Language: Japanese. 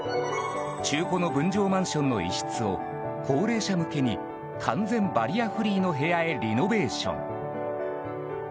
中古の分譲マンションの一室を高齢者向けに完全バリアフリーの部屋へリノベーション。